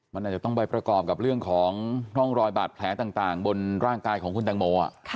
มันอาจจะต้องไปประกอบกับเรื่องของร่องรอยบาดแผลต่างบนร่างกายของคุณตังโม